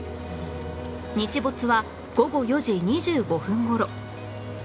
日没は午後４時２５分頃